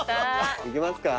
行きますか。